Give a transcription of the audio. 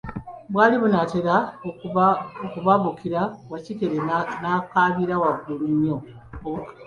Bwali bunatera okubabukira, Wakikere n'akabira waggulu nnyo bukamuje ne budduka.